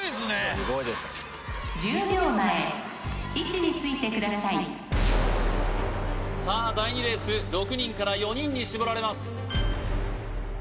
すごいです１０秒前位置についてくださいさあ第２レース６人から４人に絞られます